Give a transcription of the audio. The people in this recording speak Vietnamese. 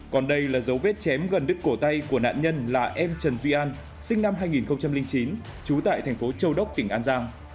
còn đây là dấu vết chém gần đứt cổ tay của nạn nhân là em trần duy an sinh năm hai nghìn chín trú tại thành phố châu đốc tỉnh an giang